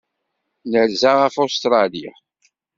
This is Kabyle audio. Nerza ɣef Ustṛalya.